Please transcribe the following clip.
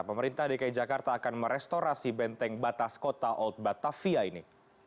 pemerintah dki jakarta akan merestorasi benteng batas kota old batavia ini